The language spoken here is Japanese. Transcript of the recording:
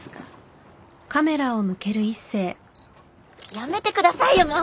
やめてくださいよもう！